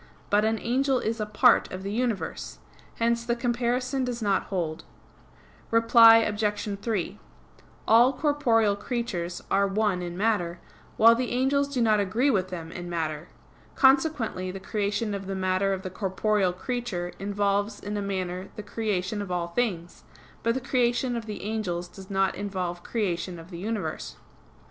But an angel is a part of the universe. Hence the comparison does not hold. Reply Obj. 3: All corporeal creatures are one in matter; while the angels do not agree with them in matter. Consequently the creation of the matter of the corporeal creature involves in a manner the creation of all things; but the creation of the angels does not involve creation of the universe.